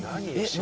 「何？